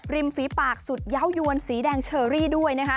ฝีปากสุดเยาวยวนสีแดงเชอรี่ด้วยนะคะ